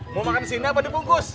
mau makan sini apa dibungkus